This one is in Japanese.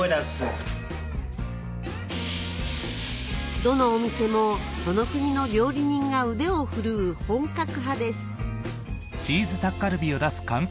どのお店もその国の料理人が腕を振るう本格派です